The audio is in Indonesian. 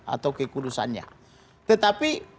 atau kekudusannya tetapi